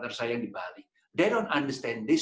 mereka tidak memahami dunia ini